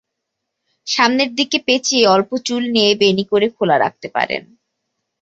সামনের দিকে পেঁচিয়ে অল্প চুল নিয়ে বেণি করে খোলা রাখতে পারেন।